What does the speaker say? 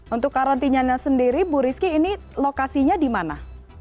untuk karantinanya sendiri bu rizky ini lokasinya di mana